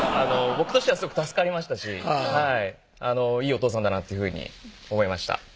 僕としてはすごく助かりましたしいいおとうさんだなっていうふうに思いました